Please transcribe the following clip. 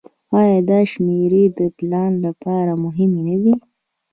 آیا دا شمیرې د پلان لپاره مهمې نه دي؟